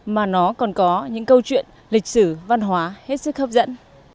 mà nó còn có những câu chuyện lịch sử văn hóa hết sức hấp dẫn